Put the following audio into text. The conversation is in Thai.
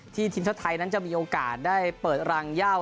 ทีมชาติไทยนั้นจะมีโอกาสได้เปิดรังเย่า